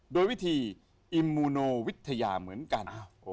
โดยวิธีอิมมูโนวิทยาเหมือนกัน